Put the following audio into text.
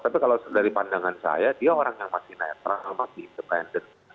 tapi kalau dari pandangan saya dia orang yang masih netral masih independen